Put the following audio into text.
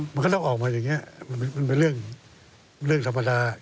มันก็ต้องออกมาอย่างนี้มันเป็นเรื่องธรรมดา